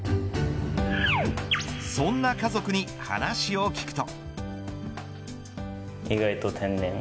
そんな家族に話を聞くと。